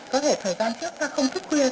có thể thời gian trước ta không thức khuya thế